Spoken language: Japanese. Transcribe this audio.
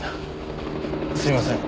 すいません。